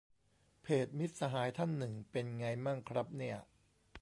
เพจมิตรสหายท่านหนึ่งเป็นไงมั่งครับเนี่ย